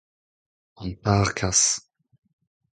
An targazh.